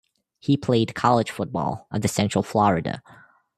He played college football at the Central Florida.